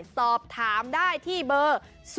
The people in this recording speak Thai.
สอบถามได้ที่เบอร์๐